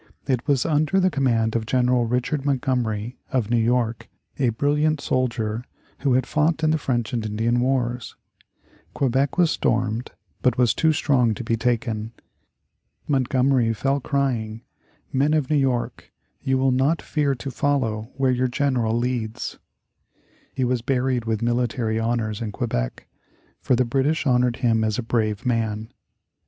It was under the command of General Richard Montgomery, of New York, a brilliant soldier who had fought in the French and Indian wars. Quebec was stormed, but was too strong to be taken. Montgomery fell crying, "Men of New York, you will not fear to follow where your general leads." He was buried with military honors in Quebec, for the British honored him as a brave man.